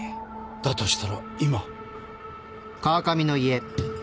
だとしたら今。